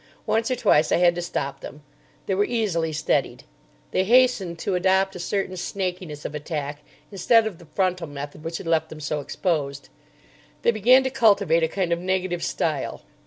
Once or twice I had to stop them. They were easily steadied. They hastened to adopt a certain snakiness of attack instead of the frontal method which had left them so exposed. They began to cultivate a kind of negative style.